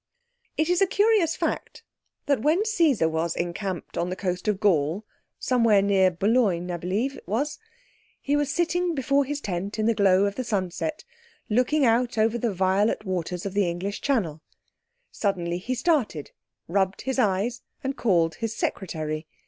It is a curious fact that when Caesar was encamped on the coast of Gaul—somewhere near Boulogne it was, I believe—he was sitting before his tent in the glow of the sunset, looking out over the violet waters of the English Channel. Suddenly he started, rubbed his eyes, and called his secretary.